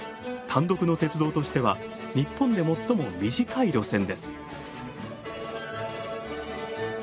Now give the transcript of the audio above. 単独の鉄道としては日本で最も短い路線です。